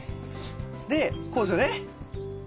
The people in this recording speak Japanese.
でこうですよね？